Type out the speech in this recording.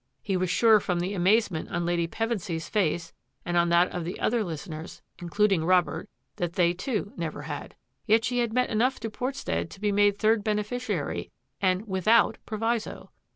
He was sure from the amazement on Lady Pevensy's face and on that of the other listeners, including Rob ert, that they, too, never had. Yet she had meant enough to Portstead to be made third beneficiary, and mthout proviso.